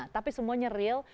tapi semuanya real